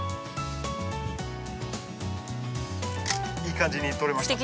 いい感じに撮れました。